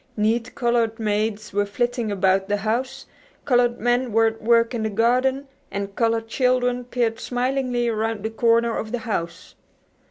Neat colored maids were flitting about the house, colored men were at work in the garden, and colored children peered smilingly around the corner of the house.